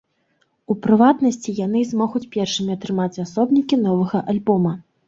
У прыватнасці, яны змогуць першымі атрымаць асобнікі новага альбома.